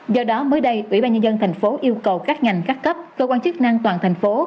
do đó mới đây ủy ban nhân dân thành phố yêu cầu các ngành các cấp cơ quan chức năng toàn thành phố